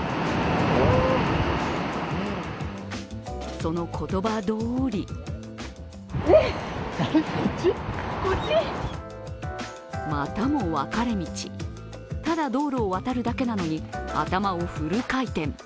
その言葉どおりまたも分かれ道、ただ道路を渡るだけなのに頭をフル回転。